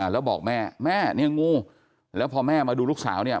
แล้วบอกแม่แม่เนี่ยงูแล้วพอแม่มาดูลูกสาวเนี่ย